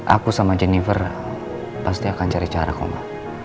aku sama jennifer pasti akan cari caraku ma